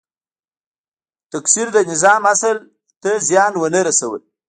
تکثیر د نظام اصل ته زیان ونه رسول.